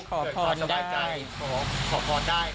ขอพรได้ครับ